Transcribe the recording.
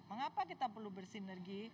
mengapa kita perlu bersinergi